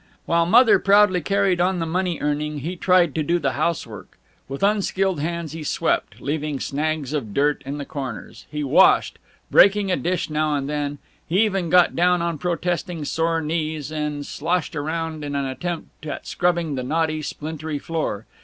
While Mother proudly carried on the money earning he tried to do the house work. With unskilled hands he swept leaving snags of dirt in the corners; he washed breaking a dish now and then; he even got down on protesting sore knees and sloshed around in an attempt at scrubbing the knotty, splintery floor.